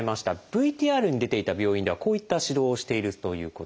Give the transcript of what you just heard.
ＶＴＲに出ていた病院ではこういった指導をしているということです。